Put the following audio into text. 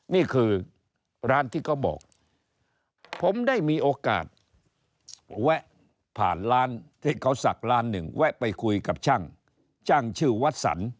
นี่คือร้านที่เขาบอกผมได้มีโอกาสแวะผ่านร้านที่เขาศักดิ์ร้านหนึ่งแวะไปคุยกับช่างช่างชื่อวัดสรร